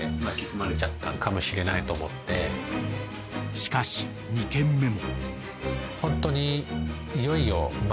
［しかし２軒目も］